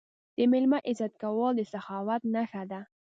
د میلمه عزت کول د سخاوت نښه ده.